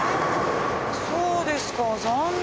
そうですか残念。